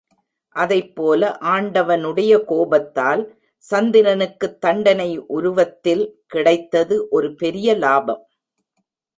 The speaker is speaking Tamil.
அதைப்போல, ஆண்டவனுடைய கோபத்தால் சந்திரனுக்குத் தண்டனை உருவத்தில் கிடைத்தது ஒரு பெரிய லாபம்.